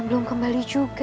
masa sebuah kebijaksanaan juga